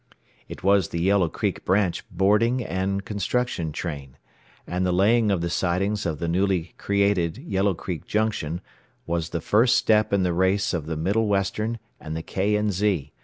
It was the Yellow Creek branch "boarding" and construction train, and the laying of the sidings of the newly created Yellow Creek Junction was the first step in the race of the Middle Western and the K. & Z.